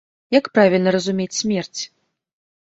Як правільна разумець смерць?